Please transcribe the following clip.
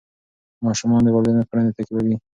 ماشومان د والدینو کړنې تعقیبوي.